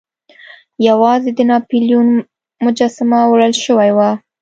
یوازې د ناپلیون مجسمه وړل شوې وه.